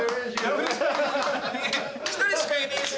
１人しかいねぇし。